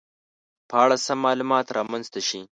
په اړه سم معلومات رامنځته شي